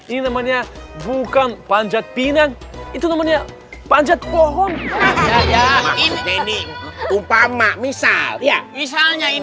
ini namanya bukan panjat pinang itu namanya panjat pohon